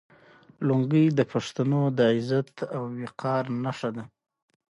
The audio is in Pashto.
لونګۍ د پښتنو د عزت او وقار نښه ده.